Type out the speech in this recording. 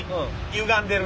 ゆがんでる。